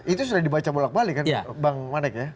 itu sudah dibaca bolak balik kan bang manek ya